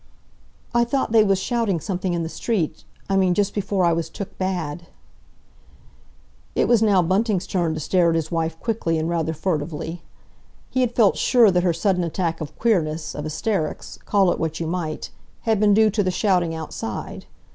"I thought they was shouting something in the street—I mean just before I was took bad." It was now Bunting's turn to stare at his wife quickly and rather furtively. He had felt sure that her sudden attack of queerness, of hysterics—call it what you might—had been due to the shouting outside.